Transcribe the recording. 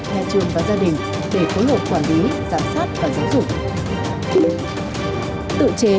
nhà trường và gia đình để phối hợp quản lý giám sát và giáo dục